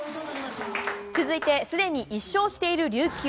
続いて、すでに１勝している琉球。